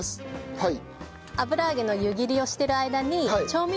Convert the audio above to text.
はい。